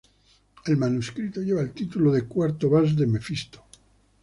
El manuscrito lleva el título de "Cuarto Vals de Mefisto".